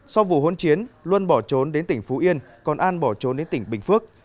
sau vụ hôn chiến luân bỏ trốn đến tỉnh phú yên còn an bỏ trốn đến tỉnh bình phước